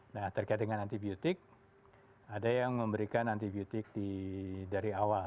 nah terkait dengan anti biotik ada yang memberikan anti biotik dari awal